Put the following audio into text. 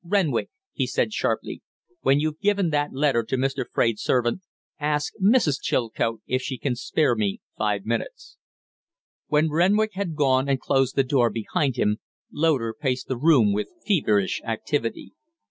"Renwick!" he said, sharply, "when you've given that letter to Mr. Fraide's servant, ask Mrs. Chilcote if she can spare me five minutes." When Renwick had gone and closed the door behind him, Loder paced the room with feverish activity.